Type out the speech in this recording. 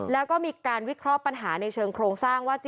แล้วก็มีการวิเคราะห์ปัญหาในเชิงโครงสร้างว่า